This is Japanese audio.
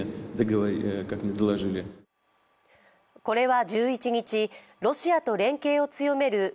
これは１１日ロシアと連携を強める